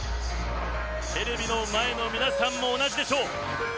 テレビの前の皆さんも同じでしょう。